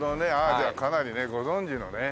じゃあかなりねご存じのね。